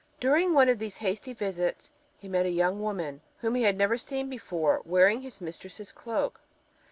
During one of these hasty visits he met a young woman, whom he had never seen before, wearing his mistress's cloak.